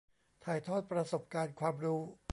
ถ่ายทอดประสบการณ์ความรู้